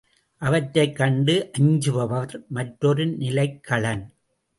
அவற்றைக் கண்டு அஞ்சுபவர் மற்றொரு நிலைக்களன்.